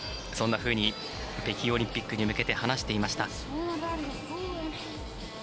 そんなふうに北京オリンピックに向けて話していました。